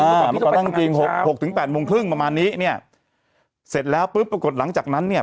เมื่อก่อนนั่งจริงหกหกถึงแปดโมงครึ่งประมาณนี้เนี่ยเสร็จแล้วปุ๊บปรากฏหลังจากนั้นเนี่ย